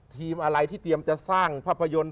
ทีมอะไรที่เตรียมจะสร้างภาพยนตร์